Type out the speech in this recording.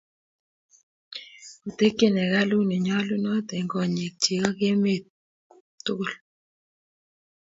Otekchi hekalut nenyalunot eng konyek chik ak emet tukul